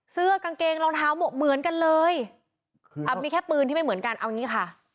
เสื้อกางเกงรองเท้าหมวกเหมือนกันเลยมีแค่ปืนที่ไม่เหมือนกันเอางี้ค่ะ